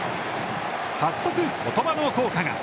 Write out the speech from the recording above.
早速、言葉の効果が。